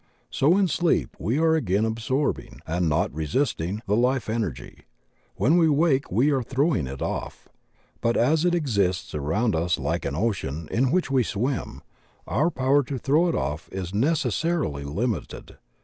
So in sleep we are again absorb ing and not resisting the Life Energy; when we wake we are throwing it off. But as it exists around us like an ocean in which we swim, our power to throw it off is necessarily limited.